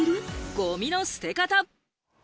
ゴミの捨て方。